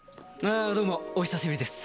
どうもお久しぶりです。